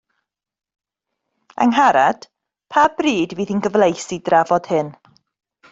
Angharad, pa bryd fydd hi'n gyfleus i drafod hyn